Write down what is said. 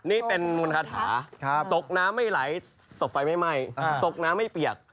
นี่เป็นมูลคาถาตกน้ำไม่ไหลตกไฟไม่ไหม้ตกน้ำไม่เปียก